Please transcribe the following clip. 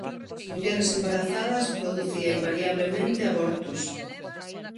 Nas mulleres embarazadas producía invariablemente abortos.